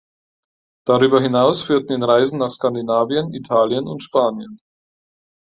Darüber hinaus führten ihn Reisen nach Skandinavien, Italien und Spanien.